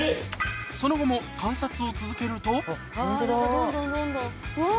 その後も観察を続けるとホントだ。